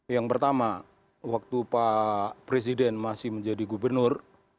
yang pertama waktu pak presiden masih menjadi gubernur